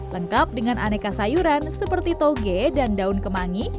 lengkap dengan aneka sayuran seperti toge dan daun kemangi